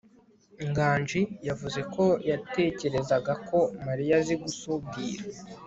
nganji yavuze ko yatekerezaga ko mariya azi gusudira